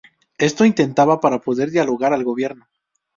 Esto intentaba para poder dialogar al gobierno.